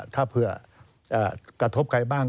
ถ้าเผื่อกระทบใครบ้าง